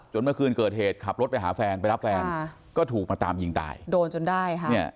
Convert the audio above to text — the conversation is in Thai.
เมื่อคืนเกิดเหตุขับรถไปหาแฟนไปรับแฟนก็ถูกมาตามยิงตายโดนจนได้ค่ะเนี่ย